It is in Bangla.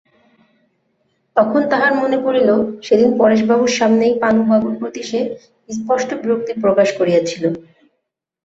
তখন তাহার মনে পড়িল সেদিন পরেশবাবুর সামনেই পানুবাবুর প্রতি সে স্পষ্ট বিরক্তি প্রকাশ করিয়াছিল।